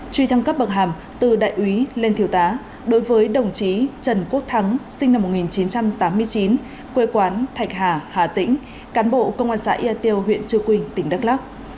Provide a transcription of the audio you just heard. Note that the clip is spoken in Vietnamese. truy thăng cấp bậc hàm từ đại úy lên thiều tá đối với đồng chí trần quốc thắng sinh năm một nghìn chín trăm tám mươi chín quê quán thạch hà hà tĩnh cán bộ công an xã ea tiêu huyện cư quyên tỉnh đắk lắk